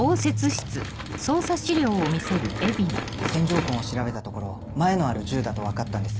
線条痕を調べたところマエのある銃だと分かったんです。